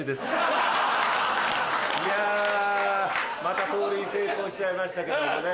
いやまた盗塁成功しちゃいましたけどもね。